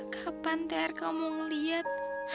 kapan ter kamu ngeliat